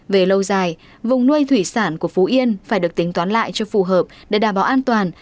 về lâu dài vùng nuôi thủy sản của phú yên phải được tính toán lại cho phù hợp để đảm bảo an toàn